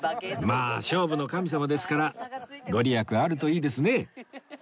まあ勝負の神様ですから御利益あるといいですね